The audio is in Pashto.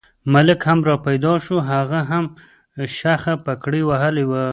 ملک هم را پیدا شو، هغه هم شخه پګړۍ وهلې وه.